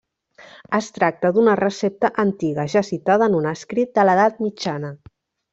Es tracta d'una recepta antiga, ja citada en un escrit de l'edat mitjana.